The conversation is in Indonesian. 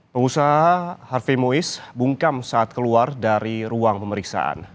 pengusaha harvey mois bungkam saat keluar dari ruang pemeriksaan